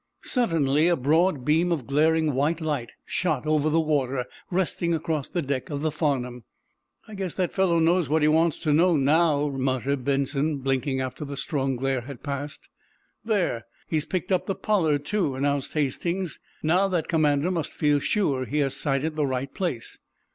Suddenly, a broad beam of glaring white light shot over the water, resting across the deck of the "Farnum." "I guess that fellow knows what he wants to know, now," muttered Benson, blinking after the strong glare had passed. "There, he has picked up the 'Pollard,' too," announced Hastings. "Now, that commander must feel sure he has sighted the right place."